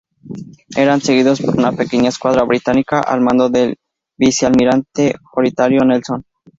Eran seguidos por una pequeña escuadra británica al mando del vicealmirante Horatio Nelson.